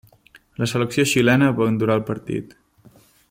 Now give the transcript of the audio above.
La selecció xilena abandonà el partit.